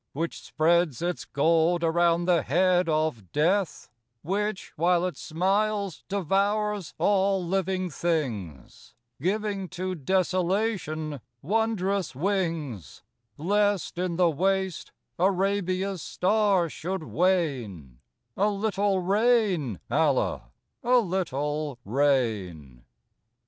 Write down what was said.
Which spreads its gold around the head of Death,— Which, while it smiles, devours all living things, Giving to Desolation wondrous wings: Lest in the waste Arabia's star should wane, A little rain, Allah, a little rain.